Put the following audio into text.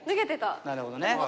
なるほどね。